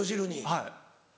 はい。